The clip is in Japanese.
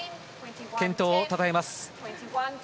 健闘をたたえます。